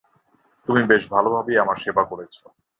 তুমি বেশ ভালভাবেই আমার সেবা করেছ।